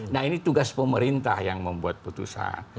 nah ini tugas pemerintah yang membuat putusan